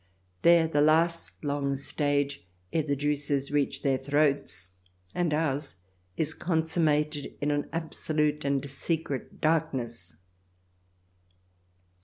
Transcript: There the last long stage, ere the juices reach their throats — and ours — is consummated in an absolute and secret darkness.